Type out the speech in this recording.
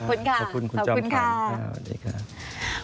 คุณพี่ชมการสบาย